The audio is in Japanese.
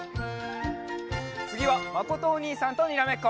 つぎはまことおにいさんとにらめっこ！